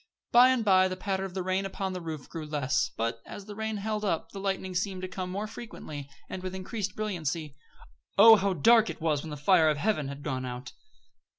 By and by the patter of the rain upon the roof grew less; but, as the rain held up, the lightning seemed to come more frequently and with increased brilliancy. Oh, how dark it was when the fire of heaven had gone out!